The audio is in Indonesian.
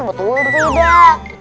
betul tuh dot